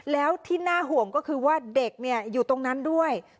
แล้วที่น่าห่วงก็คือว่าเด็กอยู่ตรงนั้นด้วย